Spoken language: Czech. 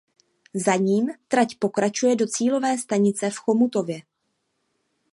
Za ním trať pokračuje do cílové stanice v Chomutově.